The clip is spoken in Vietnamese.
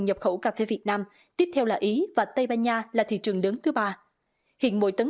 nhập khẩu cà phê việt nam tiếp theo là ý và tây ban nha là thị trường lớn thứ ba hiện mỗi tấn